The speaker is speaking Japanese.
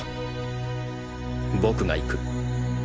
僕が行く。